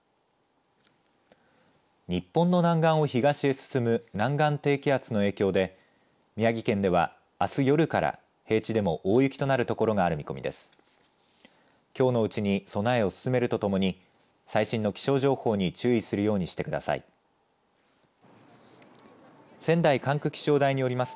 日本の南岸を東へ進む南岸低気圧の影響で宮城県ではあす夜から平地でも大雪となる所がある見込みです。